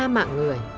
ba mạng người